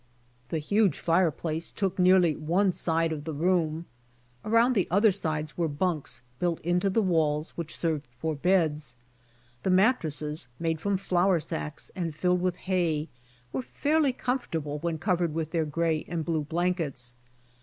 The huge fire place took nearly one side of this room. Around the other sides were bunks built into the walls which served for beds. The mattresses, made from flour sacks and filled with hay, were fairly comfortable when covered with their grey and blue blankets.